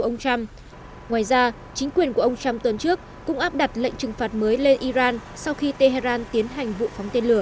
ngoài ra chính quyền của ông trump tuần trước cũng áp đặt lệnh trừng phạt mới lên iran sau khi tehran tiến hành vụ phóng tên lửa